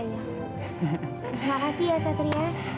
makasih ya satria